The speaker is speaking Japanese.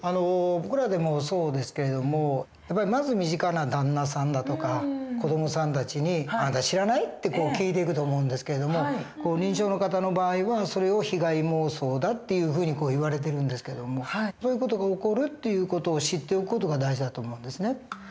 僕らでもそうですけれどもまず身近な旦那さんだとか子どもさんたちに「あんた知らない？」って聞いていくと思うんですけども認知症の方の場合はそれを被害妄想だっていうふうに言われてるんですけどもそういう事が起こるという事を知っておく事が大事だと思うんですね。